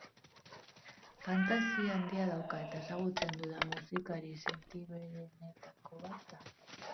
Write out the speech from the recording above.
Fantasia handia dauka, eta ezagutzen dudan musikari sentiberenetako bat da.